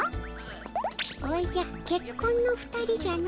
おじゃけっこんの２人じゃの。